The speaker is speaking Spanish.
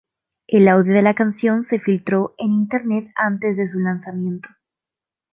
El audio de la canción se filtró en Internet antes de su lanzamiento.